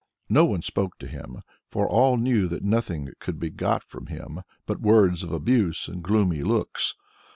No one spoke to him, for all knew that nothing could be got from him but words of abuse and gloomy looks.